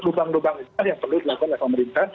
lubang lubang itulah yang perlu dilakukan oleh pemerintah